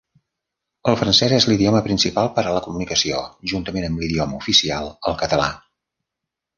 El francès és l'idioma principal per a la comunicació, juntament amb l'idioma oficial, el català.